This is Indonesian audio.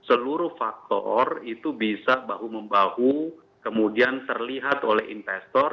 seluruh faktor itu bisa bahu membahu kemudian terlihat oleh investor